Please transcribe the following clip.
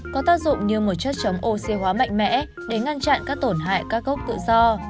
có tác dụng như một chất chống ox hóa mạnh mẽ để ngăn chặn các tổn hại các gốc tự do